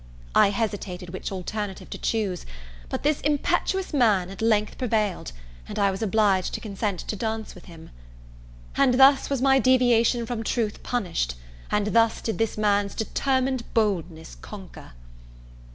I hesitated which alternative to chose; but this impetuous man at length prevailed, and I was obliged to consent to dance with him. And thus was my deviation from truth punished; and thus did this man's determined boldness conquer.